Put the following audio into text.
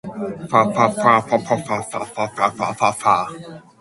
Pierrakos-Mavromichalis won the bronze medal in the amateur foil event.